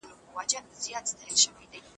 اسلوب د معنا لار پرانیزي.